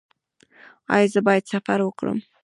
ایا زه باید سفر وکړم؟